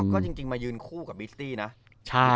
ก็จริงมายืนคู่กับบิสตี้นะ